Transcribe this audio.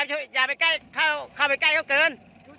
เข้าไปใกล้เข้าเกิน